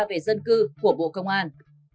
về dân cư của bộ công an